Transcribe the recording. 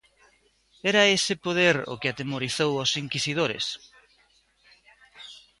Era ese poder o que atemorizou aos inquisidores?